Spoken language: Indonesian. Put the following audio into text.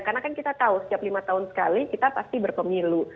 karena kan kita tahu setiap lima tahun sekali kita pasti berpemilu